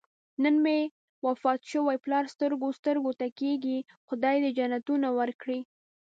نن مې وفات شوی پلار سترګو سترګو ته کېږي. خدای دې جنتونه ورکړي.